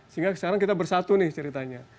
sehingga sekarang kita bersatu nih ceritanya